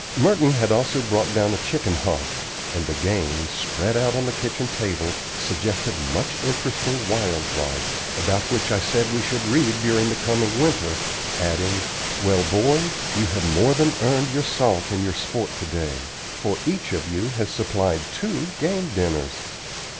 Merton had also brought down a chicken hawk; and the game, spread out on the kitchen table, suggested much interesting wild life, about which I said we should read during the coming winter, adding: "Well, boys, you have more than earned your salt in your sport to day, for each of you has supplied two game dinners.